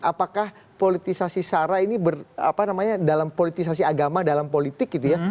apakah politisasi sarah ini berapa namanya dalam politisasi agama dalam politik gitu ya